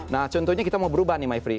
nah contohnya kita mau berubah nih my free